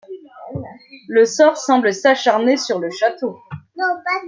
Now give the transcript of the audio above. Le sort semble s'acharner sur le château.